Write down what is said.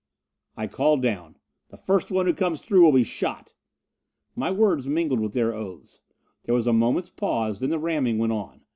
I called down, "The first one who comes through will be shot." My words mingled with their oaths. There was a moment's pause, then the ramming went on.